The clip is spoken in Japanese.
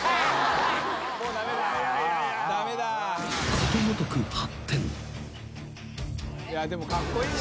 ［ことごとく８点］